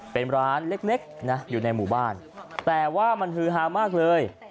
เป็นร้านเล็กนะอยู่ในหมู่บ้านแต่ว่ามันฮือฮามากเลย